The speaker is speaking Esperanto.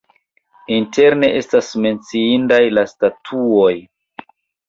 Interne estas menciindaj la statuoj.